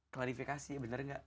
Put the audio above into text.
klarifikasi bener gak